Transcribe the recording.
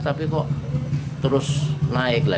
tapi kok terus naik lah